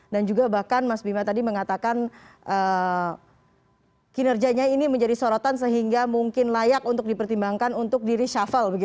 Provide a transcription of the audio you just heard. dan juga bahkan mas bima tadi mengatakan kinerjanya ini menjadi sorotan sehingga mungkin layak untuk dipertimbangkan untuk di reshuffle